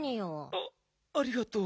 あありがとう。